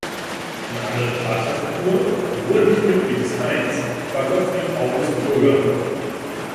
Eine andere Vaterfigur, obwohl nicht Mitglied des Hains, war Gottfried August Bürger.